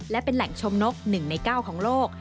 และเป็นแหล่งชมนก๑ใน๙ของโลก